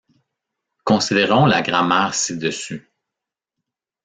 Considérons la grammaire ci-dessus.